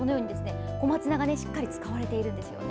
小松菜がしっかり使われているんです。